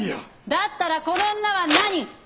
だったらこの女は何！？